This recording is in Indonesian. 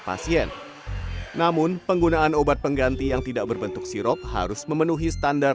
pasien namun penggunaan obat pengganti yang tidak berbentuk sirop harus memenuhi standar